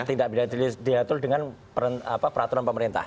tidak diatur dengan peraturan pemerintah